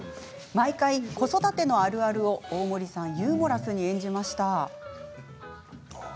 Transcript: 毎回、子育て中の「あるある」を大森さんがユーモラスに演じました。